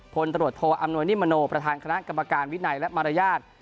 พลตรวจโทอำนวยนิมโนประธานคณะกรรมการวินัยและมารยาท